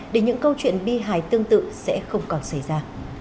để những câu chuyện bi hài tương tự sẽ không còn xảy ra